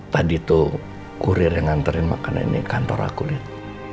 tadi tuh kurir yang nganterin makanan ini kantor aku lihat